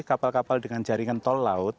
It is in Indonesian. kapal kapal dengan jaringan tol laut